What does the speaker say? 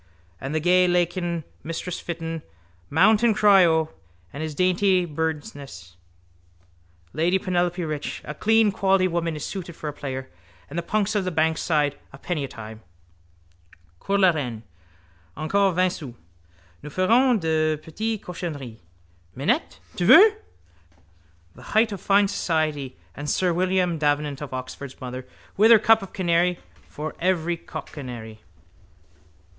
And the gay lakin, mistress Fitton, mount and cry O, and his dainty birdsnies, lady Penelope Rich, a clean quality woman is suited for a player, and the punks of the bankside, a penny a time. Cours la Reine. Encore vingt sous. Nous ferons de petites cochonneries. Minette? Tu veux? —The height of fine society. And sir William Davenant of Oxford's mother with her cup of canary for any cockcanary.